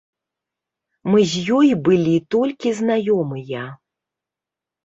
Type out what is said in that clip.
Мы з ёй былі толькі знаёмыя.